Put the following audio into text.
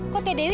kok tete wih